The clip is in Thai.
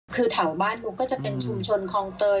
คือแถวบ้านกูก็จะเป็นชุมชนคลองเตย